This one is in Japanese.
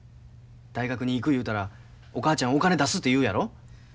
大学に行くいうたらお母ちゃんお金出すて言うやろ。